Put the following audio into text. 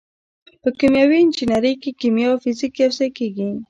په کیمیاوي انجنیری کې کیمیا او فزیک یوځای کیږي.